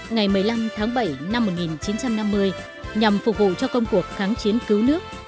ngày một mươi năm tháng bảy năm một nghìn chín trăm năm mươi nhằm phục vụ cho công cuộc kháng chiến cứu nước